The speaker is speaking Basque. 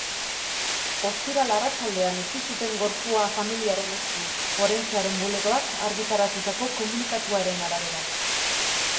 Ostiral arratsaldean utzi zuten gorpua familiaren esku, forentsearen bulegoak argitaratutako komunikatuaren arabera.